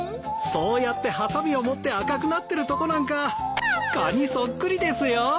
そうやってはさみを持って赤くなってるとこなんかカニそっくりですよ。